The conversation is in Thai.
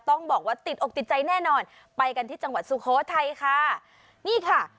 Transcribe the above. ต้องบอกว่าติดอกติดใจแน่นอนไปกันที่จังหวัดสุโขทัยค่ะนี่ค่ะ